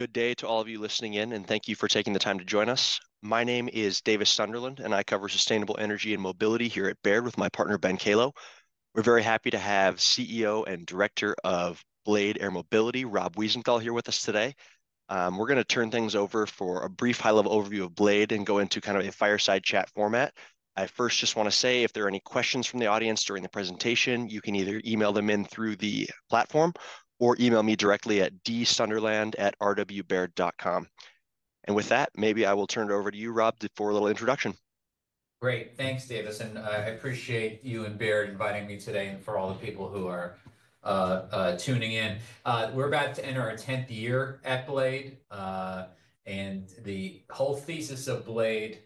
Good day to all of you listening in, and thank you for taking the time to join us. My name is Davis Sunderland, and I cover sustainable energy and mobility here at Baird with my partner Ben Kallo. We're very happy to have CEO and Director of Blade Air Mobility, Rob Wiesenthal, here with us today. We're going to turn things over for a brief high-level overview of Blade and go into kind of a fireside chat format. I first just want to say if there are any questions from the audience during the presentation, you can either email them in through the platform or email me directly at dsunderland@rwbaird.com. With that, maybe I will turn it over to you, Rob, for a little introduction. Great, thanks, Davis, and I appreciate you and Baird inviting me today and for all the people who are tuning in. We're about to enter our 10th year at BLADE, and the whole thesis of BLADE,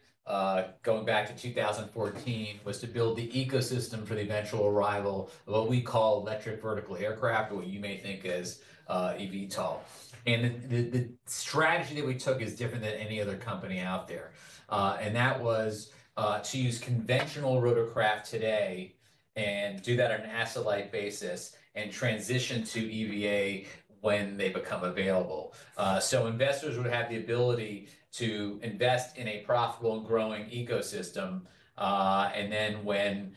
going back to 2014, was to build the ecosystem for the eventual arrival of what we call electric vertical aircraft, or what you may think is eVTOL. The strategy that we took is different than any other company out there. That was to use conventional rotorcraft today and do that on an asset-light basis and transition to EVA when they become available. So investors would have the ability to invest in a profitable and growing ecosystem. Then when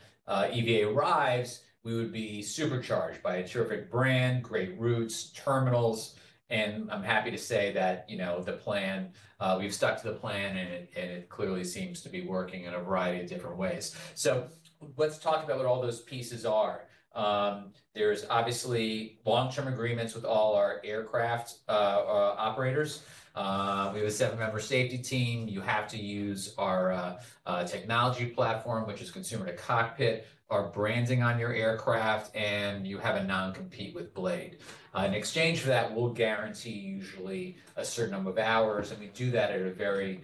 EVA arrives, we would be supercharged by a terrific brand, great routes, terminals. I'm happy to say that, you know, the plan we've stuck to the plan, and it clearly seems to be working in a variety of different ways. So let's talk about what all those pieces are. There's obviously long-term agreements with all our aircraft operators. We have a seven-member safety team. You have to use our technology platform, which is consumer-to-cockpit, our branding on your aircraft, and you have a non-compete with BLADE. In exchange for that, we'll guarantee usually a certain number of hours, and we do that at a very,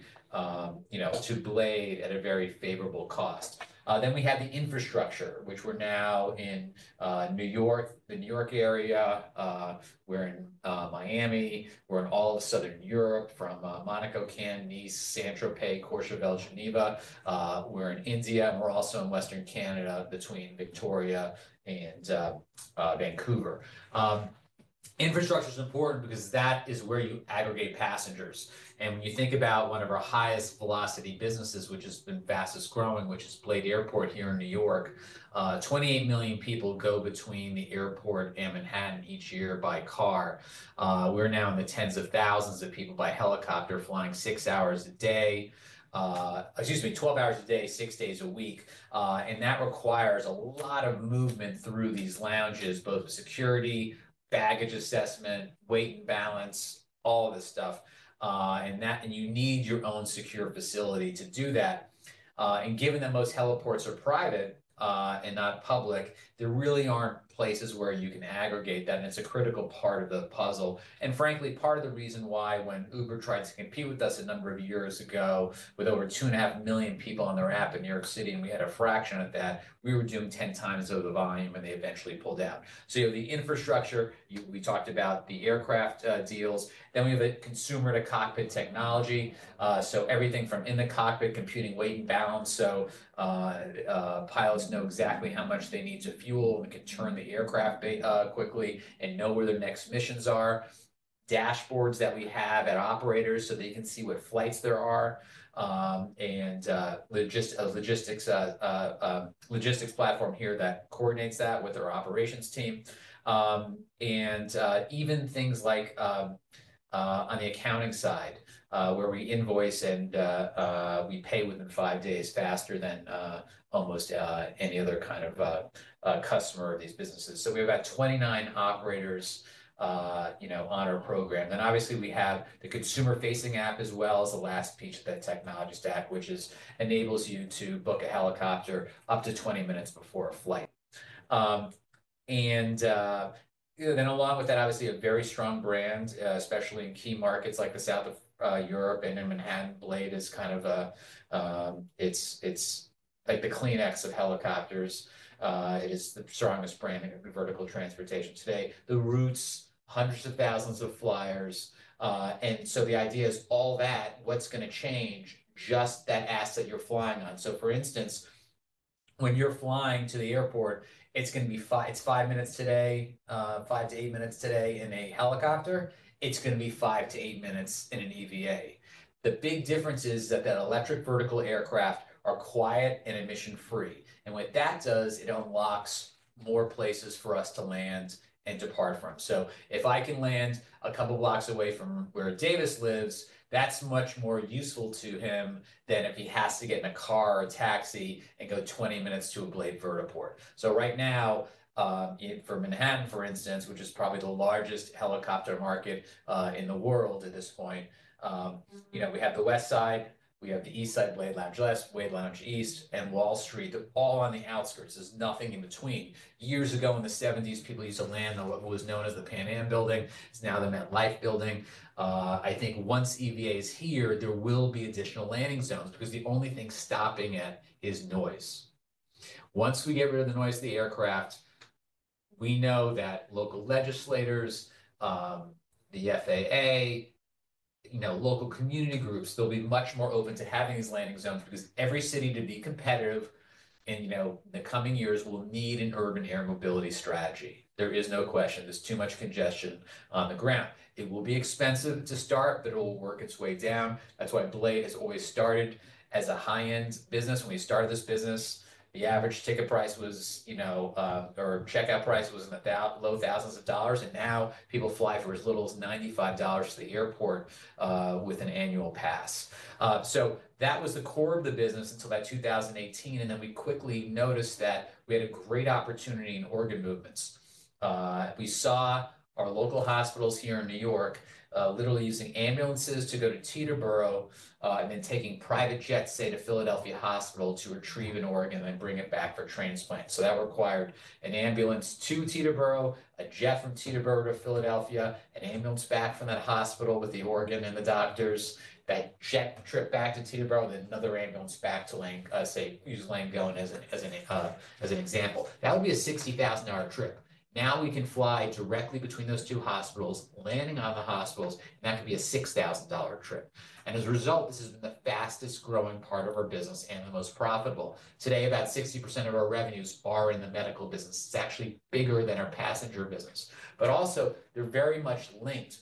you know, to BLADE at a very favorable cost. Then we have the infrastructure, which we're now in New York, the New York area. We're in Miami. We're in all of Southern Europe from Monaco, Cannes, Nice, Saint-Tropez, Courchevel, Geneva. We're in India, and we're also in Western Canada between Victoria and Vancouver. Infrastructure is important because that is where you aggregate passengers. When you think about one of our highest velocity businesses, which has been fastest growing, which is BLADE Airport here in New York, 28 million people go between the airport and Manhattan each year by car. We're now in the tens of thousands of people by helicopter flying 6 hours a day. Excuse me, 12 hours a day, 6 days a week. That requires a lot of movement through these lounges, both security, baggage assessment, weight and balance, all of this stuff. You need your own secure facility to do that. Given that most heliports are private and not public, there really aren't places where you can aggregate that, and it's a critical part of the puzzle. Frankly, part of the reason why when Uber tried to compete with us a number of years ago with over 2.5 million people on their app in New York City, and we had a fraction of that, we were doing 10 times over the volume, and they eventually pulled out. You have the infrastructure. We talked about the aircraft deals. We have a consumer-to-cockpit technology. Everything from in the cockpit, computing weight and balance, so pilots know exactly how much they need to fuel and can turn the aircraft quickly and know where their next missions are. Dashboards that we have at operators so they can see what flights there are. Just a logistics platform here that coordinates that with our operations team. Even things like on the accounting side, where we invoice and we pay within 5 days faster than almost any other kind of customer of these businesses. So we have about 29 operators, you know, on our program. Then obviously we have the consumer-facing app as well as the last piece of that technology stack, which enables you to book a helicopter up to 20 minutes before a flight. And then along with that, obviously a very strong brand, especially in key markets like the South of Europe and in Manhattan, BLADE is kind of like the Kleenex of helicopters. It is the strongest branding of vertical transportation today. The routes, hundreds of thousands of flyers. And so the idea is all that, what's going to change, just that asset you're flying on. So for instance, when you're flying to the airport, it's going to be five minutes today, five-eight minutes today in a helicopter. It's going to be five-eight minutes in an EVA. The big difference is that that electric vertical aircraft are quiet and emission-free. And what that does, it unlocks more places for us to land and depart from. So if I can land a couple blocks away from where Davis lives, that's much more useful to him than if he has to get in a car or taxi and go 20 minutes to a BLADE vertiport. So right now, for Manhattan, for instance, which is probably the largest helicopter market in the world at this point, you know, we have the West Side. We have the East Side, BLADE Lounge West, BLADE Lounge East, and Wall Street, all on the outskirts. There's nothing in between. Years ago in the 1970s, people used to land on what was known as the Pan Am Building. It's now the MetLife Building. I think once EVA is here, there will be additional landing zones because the only thing stopping it is noise. Once we get rid of the noise of the aircraft, we know that local legislators, the FAA, you know, local community groups, they'll be much more open to having these landing zones because every city, to be competitive in, you know, the coming years, will need an urban air mobility strategy. There is no question. There's too much congestion on the ground. It will be expensive to start, but it will work its way down. That's why BLADE has always started as a high-end business. When we started this business, the average ticket price was, you know, or checkout price was in the low thousands of dollars. Now people fly for as little as $95 to the airport with an annual pass. So that was the core of the business until about 2018. Then we quickly noticed that we had a great opportunity in organ movements. We saw our local hospitals here in New York literally using ambulances to go to Teterboro and then taking private jets, say, to Philadelphia Hospital to retrieve an organ and then bring it back for transplant. So that required an ambulance to Teterboro, a jet from Teterboro to Philadelphia, an ambulance back from that hospital with the organ and the doctors, that jet trip back to Teterboro, then another ambulance back to Langone as an example. That would be a $60,000 trip. Now we can fly directly between those two hospitals, landing on the hospitals, and that could be a $6,000 trip. As a result, this has been the fastest growing part of our business and the most profitable. Today, about 60% of our revenues are in the medical business. It's actually bigger than our passenger business. Also, they're very much linked.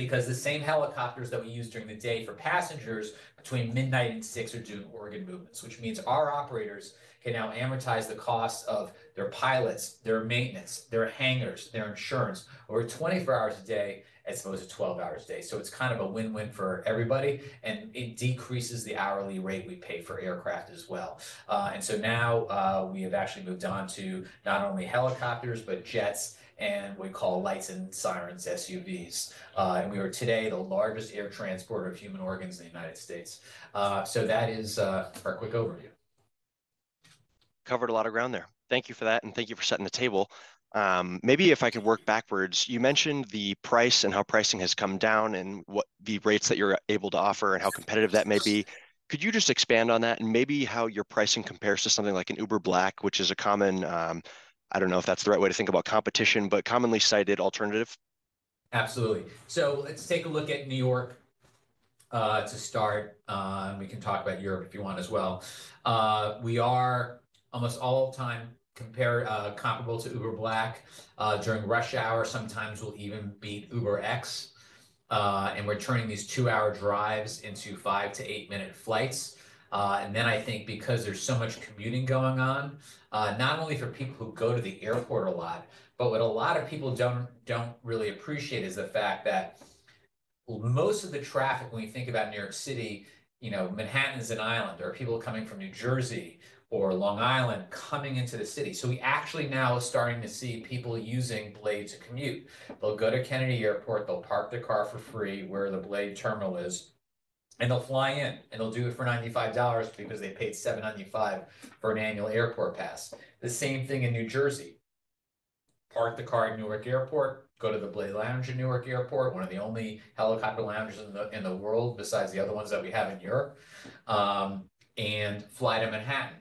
Because the same helicopters that we use during the day for passengers between 12:00 A.M. and 6:00 A.M. are doing organ movements, which means our operators can now amortize the costs of their pilots, their maintenance, their hangars, their insurance over 24 hours a day as opposed to 12 hours a day. It's kind of a win-win for everybody, and it decreases the hourly rate we pay for aircraft as well. Now we have actually moved on to not only helicopters, but jets and what we call lights and sirens SUVs. We are today the largest air transporter of human organs in the United States. That is our quick overview. Covered a lot of ground there. Thank you for that, and thank you for setting the table. Maybe if I could work backwards, you mentioned the price and how pricing has come down and what the rates that you're able to offer and how competitive that may be. Could you just expand on that and maybe how your pricing compares to something like an Uber Black, which is a common, I don't know if that's the right way to think about competition, but commonly cited alternative? Absolutely. So let's take a look at New York to start, and we can talk about Europe if you want as well. We are almost all-time comparable to Uber Black. During rush hour, sometimes we'll even beat UberX. And we're turning these 2-hour drives into 5-8-minute flights. And then I think because there's so much commuting going on, not only for people who go to the airport a lot, but what a lot of people don't really appreciate is the fact that most of the traffic when you think about New York City, you know, Manhattan is an island. There are people coming from New Jersey or Long Island coming into the city. So we actually now are starting to see people using BLADE to commute. They'll go to Kennedy Airport. They'll park their car for free where the BLADE terminal is. They'll fly in, and they'll do it for $95 because they paid $7.95 for an annual airport pass. The same thing in New Jersey. Park the car at Newark Airport, go to the BLADE Lounge in Newark Airport, one of the only helicopter lounges in the world besides the other ones that we have in Europe. Fly to Manhattan.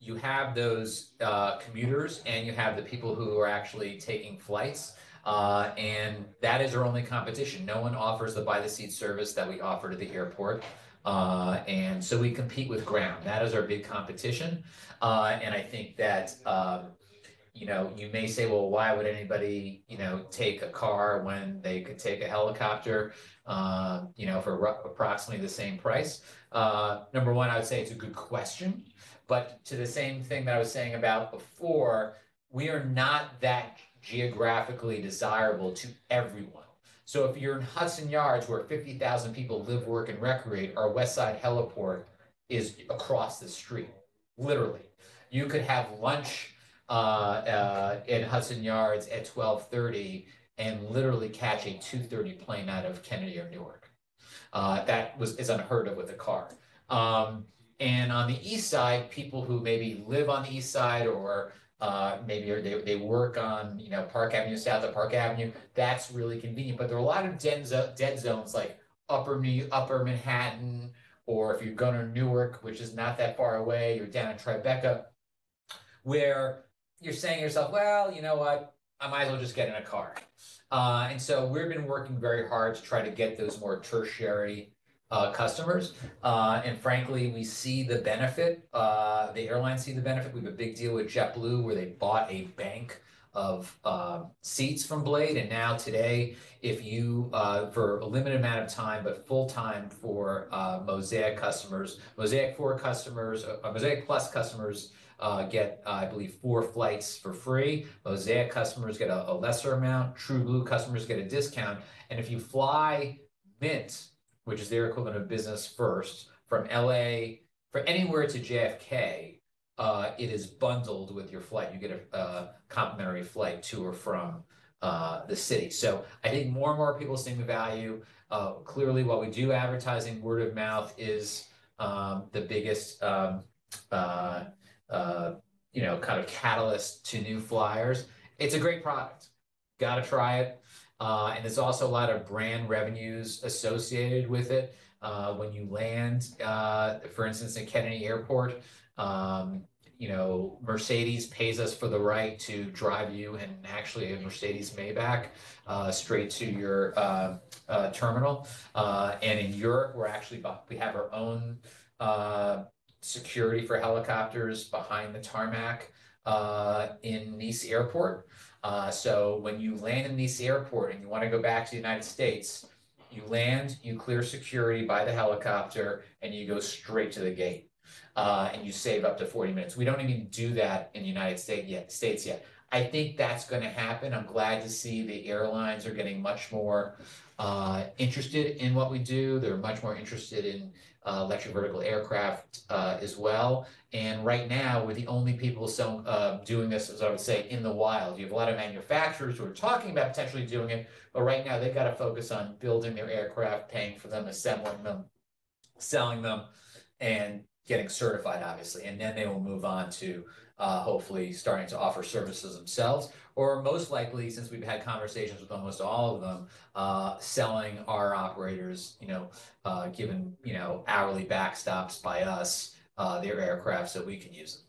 You have those commuters, and you have the people who are actually taking flights. That is our only competition. No one offers the buy-the-seat service that we offer to the airport. We compete with ground. That is our big competition. I think that, you know, you may say, well, why would anybody, you know, take a car when they could take a helicopter, you know, for approximately the same price? Number one, I would say it's a good question. But to the same thing that I was saying about before, we are not that geographically desirable to everyone. So if you're in Hudson Yards where 50,000 people live, work, and recreate, our West Side heliport is across the street, literally. You could have lunch in Hudson Yards at 12:30 P.M. and literally catch a 2:30 P.M. plane out of Kennedy or Newark. That is unheard of with a car. And on the East Side, people who maybe live on the East Side or maybe they work on, you know, Park Avenue, South of Park Avenue, that's really convenient. But there are a lot of dead zones like Upper Manhattan, or if you're going to Newark, which is not that far away, you're down in TriBeCa. Where you're saying to yourself, well, you know what? I might as well just get in a car. So we've been working very hard to try to get those more tertiary customers. And frankly, we see the benefit. The airlines see the benefit. We have a big deal with JetBlue where they bought a bank of seats from BLADE. And now today, if you for a limited amount of time, but full-time for Mosaic customers, Mosaic 4 customers, Mosaic Plus customers get, I believe, four flights for free. Mosaic customers get a lesser amount. TrueBlue customers get a discount. And if you fly Mint, which is their equivalent of Business First, from LA for anywhere to JFK, it is bundled with your flight. You get a complimentary flight to or from the city. So I think more and more people are seeing the value. Clearly, while we do advertising, word of mouth is the biggest, you know, kind of catalyst to new flyers. It's a great product. Got to try it. There's also a lot of brand revenues associated with it. When you land, for instance, at Kennedy Airport, you know, Mercedes pays us for the right to drive you and actually a Mercedes-Maybach straight to your terminal. In Europe, we've actually bought. We have our own security for helicopters behind the tarmac in Nice Airport. So when you land in Nice Airport and you want to go back to the United States, you land, you clear security by the helicopter, and you go straight to the gate. You save up to 40 minutes. We don't even do that in the United States yet. I think that's going to happen. I'm glad to see the airlines are getting much more interested in what we do. They're much more interested in electric vertical aircraft as well. Right now, we're the only people doing this, as I would say, in the wild. You have a lot of manufacturers who are talking about potentially doing it, but right now they've got to focus on building their aircraft, paying for them, assembling them, selling them, and getting certified, obviously. Then they will move on to hopefully starting to offer services themselves. Or most likely, since we've had conversations with almost all of them, selling our operators, you know, given, you know, hourly backstops by us, their aircraft so we can use them.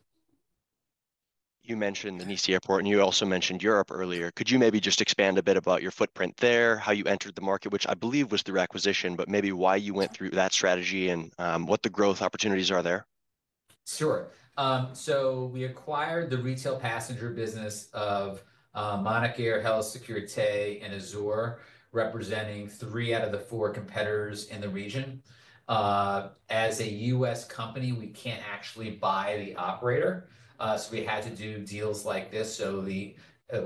You mentioned the Nice Airport, and you also mentioned Europe earlier. Could you maybe just expand a bit about your footprint there, how you entered the market, which I believe was the acquisition, but maybe why you went through that strategy and what the growth opportunities are there? Sure. So we acquired the retail passenger business of Monacair, Héli Sécurité, and Azur Hélicoptère, representing three out of the four competitors in the region. As a U.S. company, we can't actually buy the operator. So we had to do deals like this. So we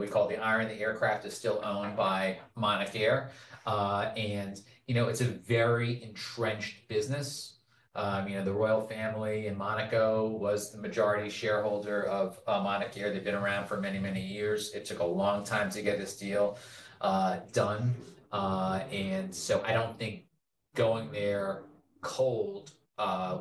call the iron; the aircraft is still owned by Monacair. And, you know, it's a very entrenched business. You know, the royal family in Monaco was the majority shareholder of Monacair. They've been around for many, many years. It took a long time to get this deal done. And so I don't think going there cold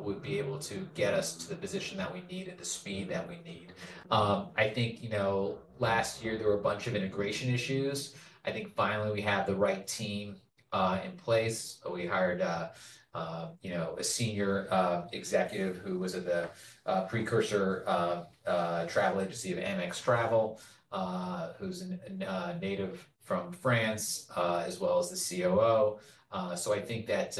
would be able to get us to the position that we need and the speed that we need. I think, you know, last year there were a bunch of integration issues. I think finally we have the right team in place. We hired, you know, a senior executive who was at the precursor travel agency of Amex GBT, who's native from France, as well as the COO. So I think that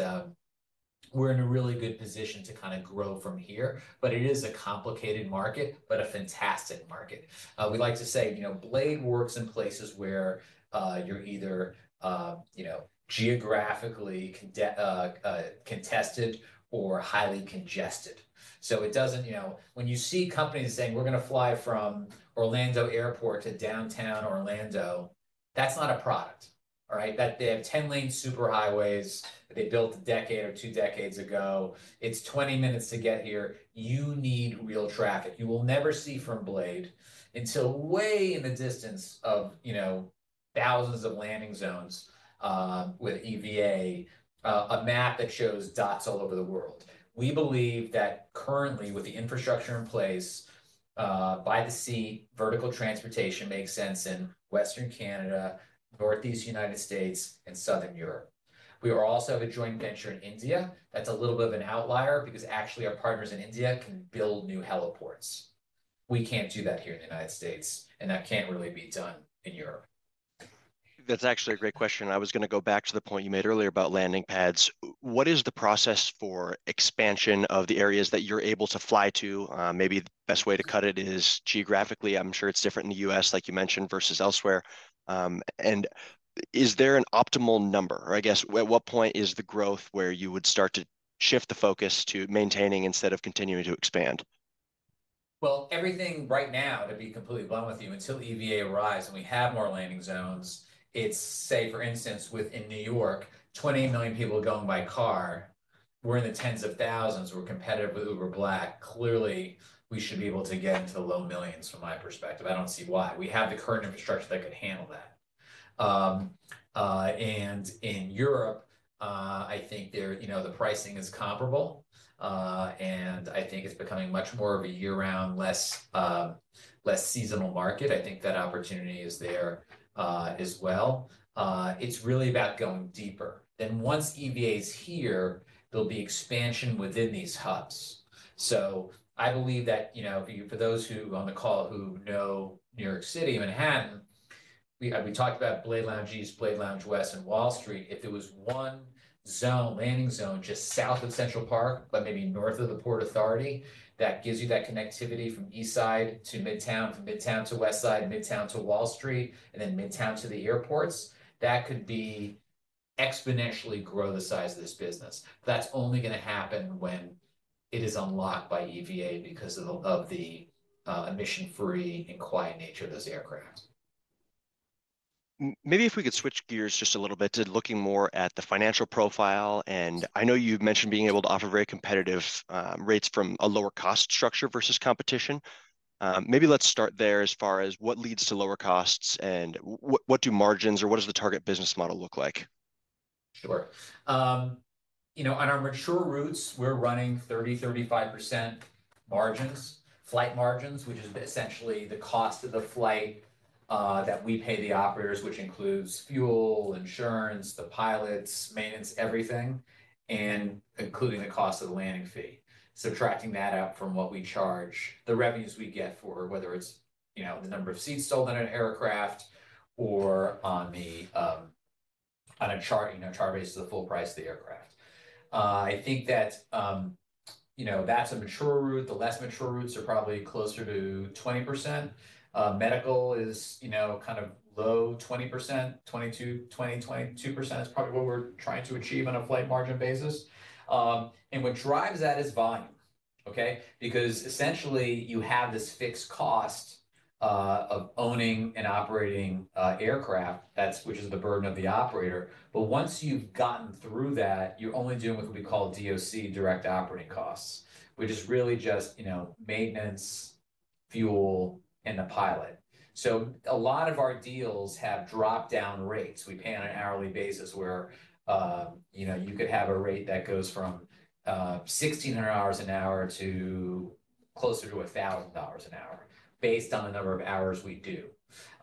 we're in a really good position to kind of grow from here. But it is a complicated market, but a fantastic market. We like to say, you know, BLADE works in places where you're either, you know, geographically contested or highly congested. So it doesn't, you know, when you see companies saying we're going to fly from Orlando Airport to downtown Orlando, that's not a product. All right? They have 10-lane superhighways that they built a decade or two decades ago. It's 20 minutes to get here. You need real traffic. You will never see from BLADE until way in the distance of, you know, thousands of landing zones with EVA, a map that shows dots all over the world. We believe that currently, with the infrastructure in place, by the sea, vertical transportation makes sense in Western Canada, Northeast United States, and Southern Europe. We also have a joint venture in India that's a little bit of an outlier because actually our partners in India can build new heliports. We can't do that here in the United States, and that can't really be done in Europe. That's actually a great question. I was going to go back to the point you made earlier about landing pads. What is the process for expansion of the areas that you're able to fly to? Maybe the best way to cut it is geographically. I'm sure it's different in the US, like you mentioned, versus elsewhere. Is there an optimal number? Or I guess, at what point is the growth where you would start to shift the focus to maintaining instead of continuing to expand? Well, everything right now, to be completely blunt with you, until EVA arrives and we have more landing zones, it's, say, for instance, within New York, 28 million people going by car. We're in the tens of thousands. We're competitive with Uber Black. Clearly, we should be able to get into the low millions, from my perspective. I don't see why. We have the current infrastructure that could handle that. And in Europe, I think there, you know, the pricing is comparable. And I think it's becoming much more of a year-round, less seasonal market. I think that opportunity is there as well. It's really about going deeper. Then once EVA is here, there'll be expansion within these hubs. So I believe that, you know, for those who are on the call who know New York City and Manhattan, we talked about BLADE Lounge East, BLADE Lounge West, and Wall Street. If there was one zone, landing zone just south of Central Park, but maybe north of the Port Authority, that gives you that connectivity from East Side to Midtown, from Midtown to West Side, Midtown to Wall Street, and then Midtown to the airports, that could be exponentially grow the size of this business. That's only going to happen when it is unlocked by EVA because of the emission-free and quiet nature of those aircraft. Maybe if we could switch gears just a little bit to looking more at the financial profile. I know you've mentioned being able to offer very competitive rates from a lower cost structure versus competition. Maybe let's start there as far as what leads to lower costs and what do margins or what does the target business model look like? Sure. You know, on our mature routes, we're running 30%-35% margins, flight margins, which is essentially the cost of the flight that we pay the operators, which includes fuel, insurance, the pilots, maintenance, everything, and including the cost of the landing fee. Subtracting that out from what we charge, the revenues we get for, whether it's, you know, the number of seats sold on an aircraft or on a charter, you know, charter based to the full price of the aircraft. I think that, you know, that's a mature route. The less mature routes are probably closer to 20%. Medical is, you know, kind of low 20%, 22%. 22% is probably what we're trying to achieve on a flight margin basis. And what drives that is volume. Okay? Because essentially you have this fixed cost of owning and operating aircraft that's, which is the burden of the operator. But once you've gotten through that, you're only dealing with what we call DOC, direct operating costs, which is really just, you know, maintenance, fuel, and the pilot. So a lot of our deals have drop-down rates. We pay on an hourly basis where, you know, you could have a rate that goes from $1,600 an hour to closer to $1,000 an hour based on the number of hours we do.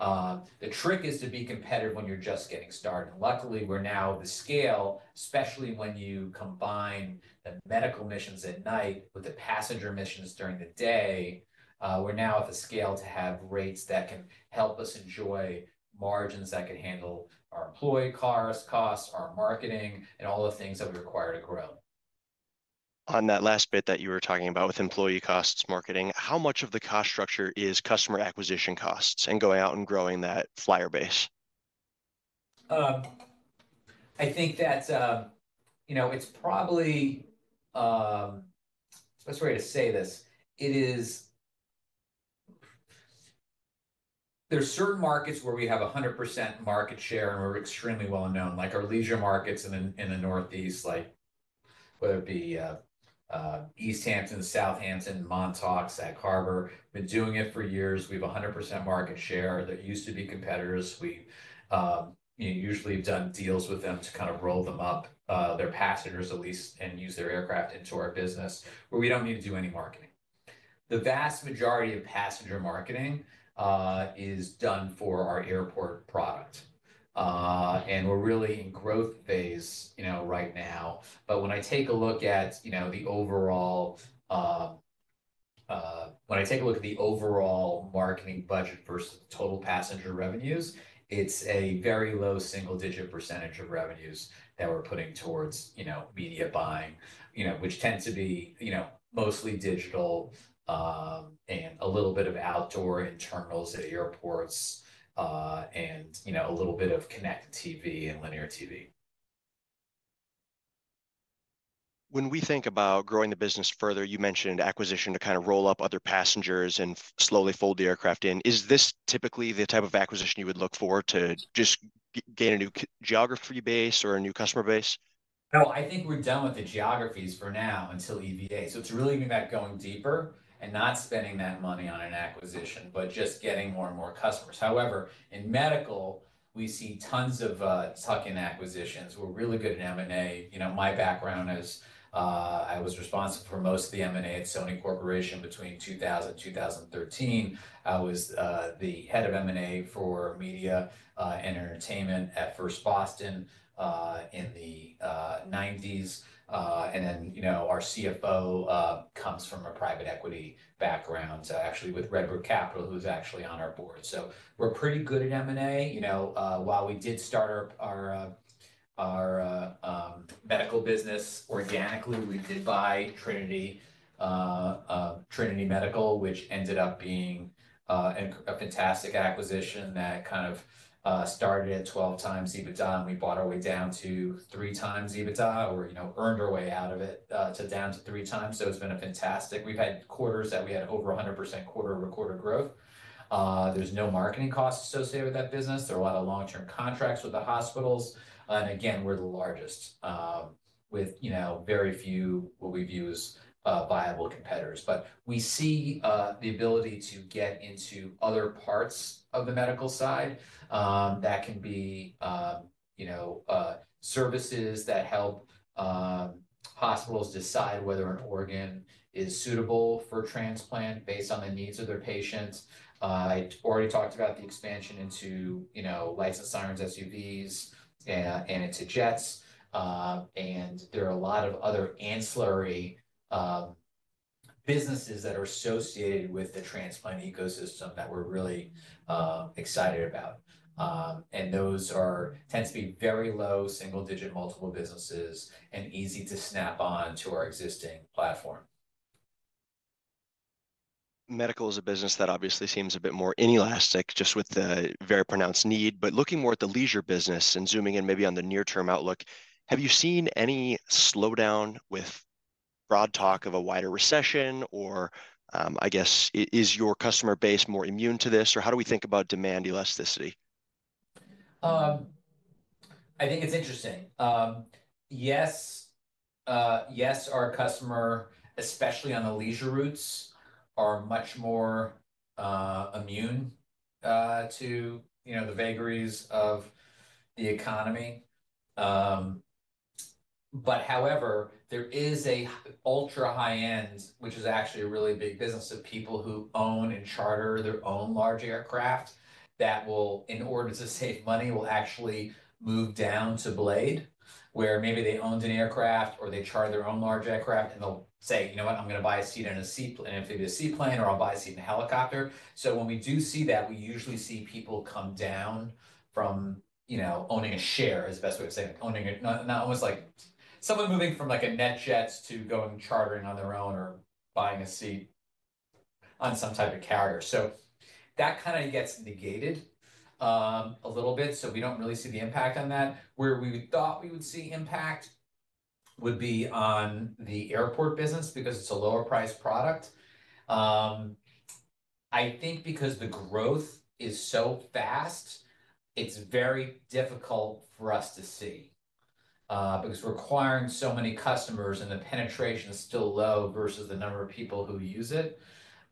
The trick is to be competitive when you're just getting started. And luckily, we're now at the scale, especially when you combine the medical missions at night with the passenger missions during the day. We're now at the scale to have rates that can help us enjoy margins that can handle our employee costs, our marketing, and all the things that we require to grow. On that last bit that you were talking about with employee costs, marketing, how much of the cost structure is customer acquisition costs and going out and growing that flyer base? I think that, you know, it's probably best way to say this. It is there's certain markets where we have 100% market share and we're extremely well known, like our leisure markets in the Northeast, like whether it be East Hampton, Southampton, Montauk, Sag Harbor. We've been doing it for years. We have 100% market share. There used to be competitors. We, you know, usually have done deals with them to kind of roll them up, their passengers at least, and use their aircraft into our business where we don't need to do any marketing. The vast majority of passenger marketing is done for our airport product. And we're really in growth phase, you know, right now. But when I take a look at the overall marketing budget versus total passenger revenues, it's a very low single-digit % of revenues that we're putting towards, you know, media buying, you know, which tends to be, you know, mostly digital and a little bit of outdoor internals at airports and, you know, a little bit of connected TV and linear TV. When we think about growing the business further, you mentioned acquisition to kind of roll up other passengers and slowly fold the aircraft in. Is this typically the type of acquisition you would look for to just gain a new geography base or a new customer base? No, I think we're done with the geographies for now until EVA. So it's really going to be that going deeper and not spending that money on an acquisition, but just getting more and more customers. However, in medical, we see tons of tuck-in acquisitions. We're really good at M&A. You know, my background is I was responsible for most of the M&A at Sony Corporation between 2000 and 2013. I was the head of M&A for media and entertainment at First Boston in the '90s. And then, you know, our CFO comes from a private equity background, actually with RedBird Capital, who's actually on our board. So we're pretty good at M&A. You know, while we did start our medical business organically, we did buy Trinity Medical, which ended up being a fantastic acquisition that kind of started at 12x EBITDA. And we bought our way down to 3x EBITDA or, you know, earned our way out of it to down to 3x. So it's been fantastic. We've had quarters that we had over 100% quarter-over-quarter growth. There's no marketing costs associated with that business. There are a lot of long-term contracts with the hospitals. And again, we're the largest with, you know, very few what we view as viable competitors. But we see the ability to get into other parts of the medical side. That can be, you know, services that help hospitals decide whether an organ is suitable for transplant based on the needs of their patients. I already talked about the expansion into, you know, lights and sirens SUVs and into jets. And there are a lot of other ancillary businesses that are associated with the transplant ecosystem that we're really excited about. Those tend to be very low single-digit multiple businesses and easy to snap on to our existing platform. Medical is a business that obviously seems a bit more inelastic just with the very pronounced need, but looking more at the leisure business and zooming in maybe on the near-term outlook, have you seen any slowdown with broad talk of a wider recession or I guess is your customer base more immune to this or how do we think about demand elasticity? I think it's interesting. Yes. Yes, our customer, especially on the leisure routes, are much more immune to, you know, the vagaries of the economy. But however, there is an ultra high-end, which is actually a really big business of people who own and charter their own large aircraft that will, in order to save money, will actually move down to BLADE where maybe they owned an aircraft or they charter their own large aircraft and they'll say, you know what, I'm going to buy a seat in an amphibious seaplane or I'll buy a seat in a helicopter. So when we do see that, we usually see people come down from, you know, owning a share is the best way to say it, owning it, not almost like someone moving from like a NetJets to going chartering on their own or buying a seat on some type of carrier. So that kind of gets negated a little bit. So we don't really see the impact on that. Where we thought we would see impact would be on the airport business because it's a lower-priced product. I think because the growth is so fast, it's very difficult for us to see. Because requiring so many customers and the penetration is still low versus the number of people who use it.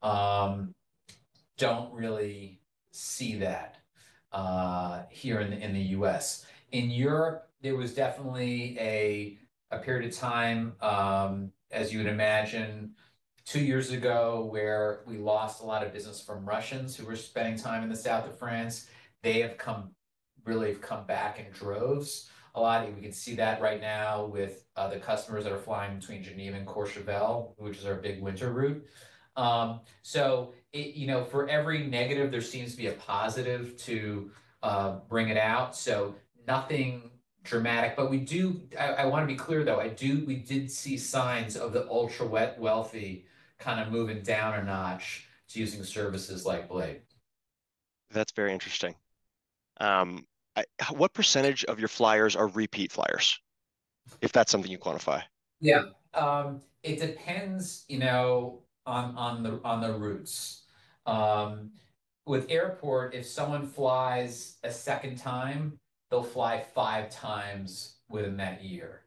Don't really see that here in the U.S. In Europe, there was definitely a period of time, as you would imagine, two years ago where we lost a lot of business from Russians who were spending time in the south of France. They have really come back in droves. A lot of you, we can see that right now with the customers that are flying between Geneva and Courchevel, which is our big winter route. So it, you know, for every negative, there seems to be a positive to bring it out. So nothing dramatic, but we do, I want to be clear though, I do, we did see signs of the ultra-wealthy kind of moving down a notch to using services like BLADE. That's very interesting. What percentage of your flyers are repeat flyers? If that's something you quantify? Yeah. It depends, you know, on the routes. With airport, if someone flies a second time, they'll fly five times within that year.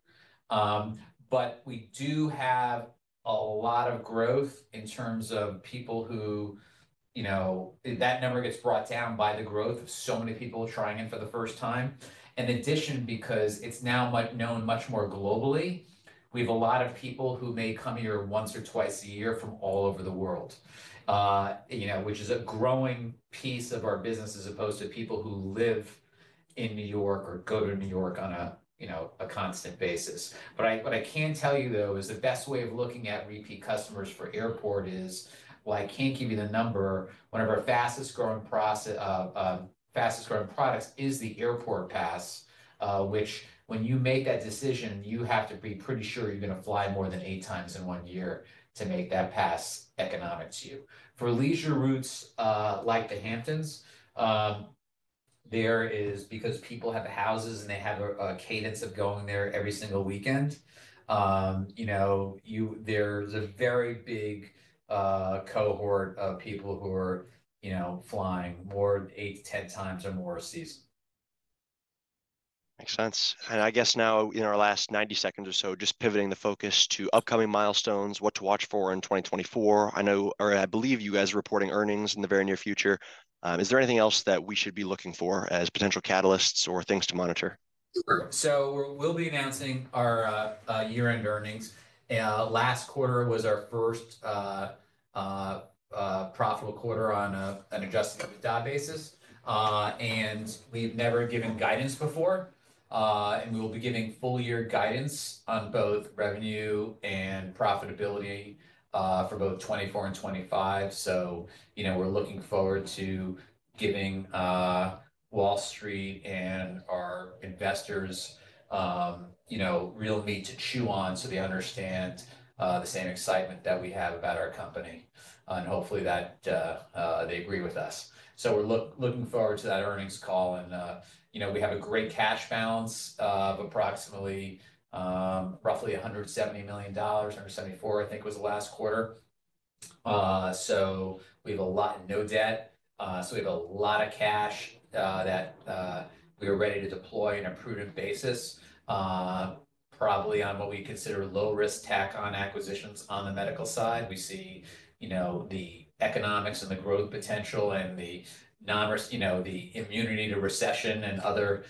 But we do have a lot of growth in terms of people who, you know, that number gets brought down by the growth of so many people trying in for the first time. In addition, because it's now known much more globally, we have a lot of people who may come here once or twice a year from all over the world. You know, which is a growing piece of our business as opposed to people who live in New York or go to New York on a, you know, a constant basis. But what I can tell you though is the best way of looking at repeat customers for airport is, well, I can't give you the number. One of our fastest growing products is the airport pass, which when you make that decision, you have to be pretty sure you're going to fly more than 8 times in 1 year to make that pass economic to you. For leisure routes like the Hamptons, there is because people have houses and they have a cadence of going there every single weekend. You know, there's a very big cohort of people who are, you know, flying more than 8-10 times or more a season. Makes sense. I guess now in our last 90 seconds or so, just pivoting the focus to upcoming milestones, what to watch for in 2024. I know or I believe you guys are reporting earnings in the very near future. Is there anything else that we should be looking for as potential catalysts or things to monitor? So we'll be announcing our year-end earnings. Last quarter was our first profitable quarter on an adjusted EBITDA basis. And we've never given guidance before. And we will be giving full-year guidance on both revenue and profitability for both 2024 and 2025. So, you know, we're looking forward to giving Wall Street and our investors, you know, real meat to chew on so they understand the same excitement that we have about our company. And hopefully that they agree with us. So we're looking forward to that earnings call and, you know, we have a great cash balance of approximately roughly $170 million, $174 I think was the last quarter. So we have a lot and no debt. So we have a lot of cash that we are ready to deploy on a prudent basis. Probably on what we consider low-risk tack-on acquisitions on the medical side. We see, you know, the economics and the growth potential and the, you know, the immunity to recession and other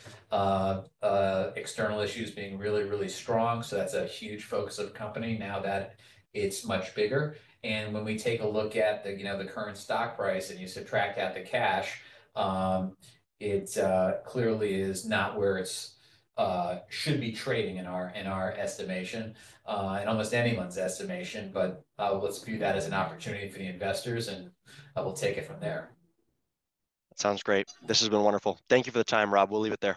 external issues being really, really strong. So that's a huge focus of the company now that it's much bigger. And when we take a look at the, you know, the current stock price and you subtract out the cash, it clearly is not where it should be trading in our estimation and almost anyone's estimation, but let's view that as an opportunity for the investors and we'll take it from there. Sounds great. This has been wonderful. Thank you for the time, Rob. We'll leave it at that.